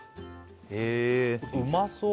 へえうまそう！